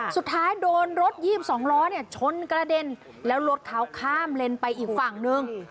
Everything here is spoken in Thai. สุดท้ายโดนรถ๒๒ล้อเนี่ยชนกระเด็นแล้วรถเขาข้ามเลนไปอีกฝั่งนึง